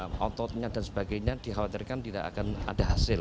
kontotnya dan sebagainya dikhawatirkan tidak akan ada hasil